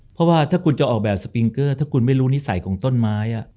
เพราะว่าถ้าคุณจะออกแบบสปิงเกอร์ถ้าคุณไม่รู้นิสัยของต้นไม้